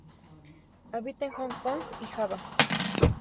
Habita en Hong Kong y Java.